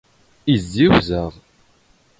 ⵉⵣⵣⵉⵡⵣ ⴰⵖ.